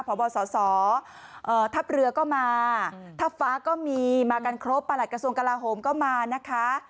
พบสสทัพเรือก็มาทัพฟ้าก็มีมากันครบประหลัดกระทรวงกลาโหมก็มานะคะ